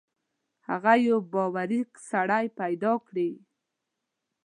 هغه یو باوري سړی پیدا کړي.